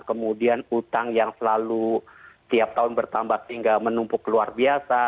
kemudian utang yang selalu tiap tahun bertambah sehingga menumpuk luar biasa